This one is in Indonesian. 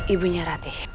ibu nya ratih